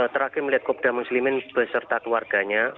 terakhir melihat kopda muslimin beserta keluarganya